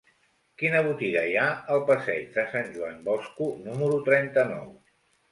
Quina botiga hi ha al passeig de Sant Joan Bosco número trenta-nou?